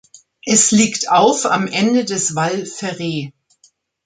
Es liegt auf am Ende des Val Ferret.